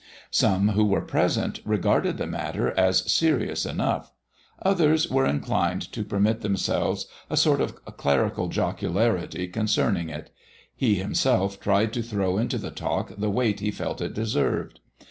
Some who were present regarded the matter as serious enough; others were inclined to permit themselves a sort of clerical jocularity concerning it; he himself tried to throw into the talk the weight he felt it deserved.